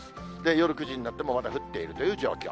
夜９時になってもまだ降っているという状況。